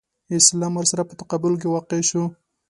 اسلام ورسره په تقابل کې واقع شو.